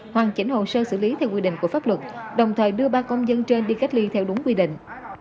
hoàn chỉnh hồ sơ xử lý theo quy định của pháp luật đồng thời đưa ba công dân trên đi cách ly theo đúng quy định